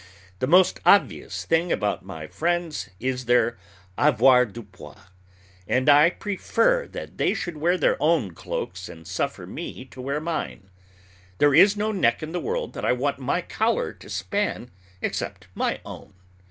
The most obvious thing about my friends is their avoirdupois; and I prefer that they should wear their own cloaks and suffer me to wear mine. There is no neck in the world that I want my collar to span except my own.